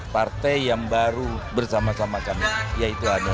partai yang baru bersama sama kami yaitu ada